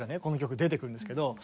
この曲出てくるんですけど。